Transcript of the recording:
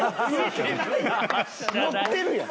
のってるやん。